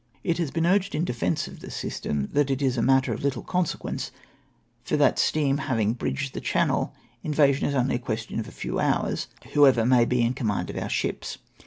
It has been urged, in defence of the system, that it is a matter of little consequence, for that steam having bridged the Channel, invasion is only a question of a few hours, whoever may be in command of our ships.